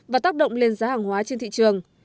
và tác động lên giá hàng hóa trên thị trường